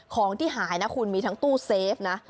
ของที่หายนะคุณมีทั้งตู้เซฟนะ